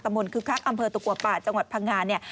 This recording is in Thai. ตรรมคือค่ะอำเภอตกว่าป่าจังหวัดพังงาน